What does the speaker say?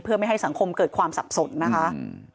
เพื่อไม่ให้สังคมเกิดความสับสนนะคะ